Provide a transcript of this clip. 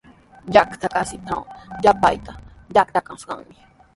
Yachaywasitraw yupayta yatrakushqanami.